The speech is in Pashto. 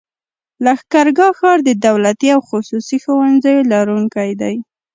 لښکرګاه ښار د دولتي او خصوصي ښوونځيو لرونکی دی.